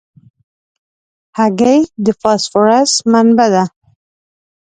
هګۍ د فاسفورس منبع ده.